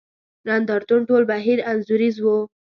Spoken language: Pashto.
نند ارتون ټول بهیر انځوریز وو.